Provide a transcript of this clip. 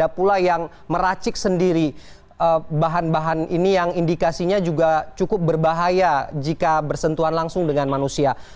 ada pula yang meracik sendiri bahan bahan ini yang indikasinya juga cukup berbahaya jika bersentuhan langsung dengan manusia